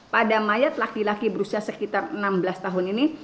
pada mayat laki laki berusia sekitar enam belas tahun ini